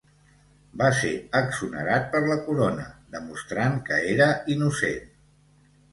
Va ser exonerat per la Corona demostrant que era innocent.